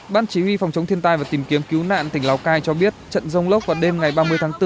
ban chỉ huy phòng chống thiên tai và tìm kiếm cứu nạn tỉnh lào cai cho biết trận rông lốc vào đêm ngày ba mươi tháng bốn